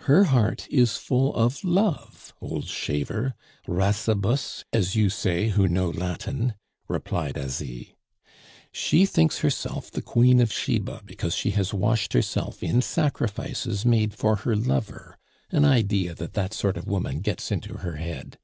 "Her heart is full of love, old shaver, rasibus, as you say who know Latin," replied Asie. "She thinks herself the Queen of Sheba, because she has washed herself in sacrifices made for her lover an idea that that sort of woman gets into her head!